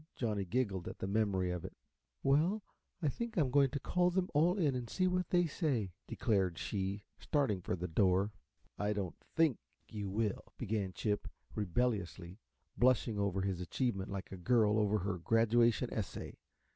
Johnny giggled at the memory of it. "Well, I'm going to call them all in and see what they say," declared she, starting for the door. "I don't THINK you will," began Chip, rebelliously, blushing over his achievement like a girl over her graduation essay.